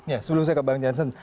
ya sebelum saya ke bang jansen